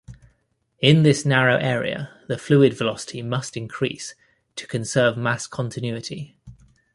In this narrow area the fluid velocity must increase to conserve mass continuity.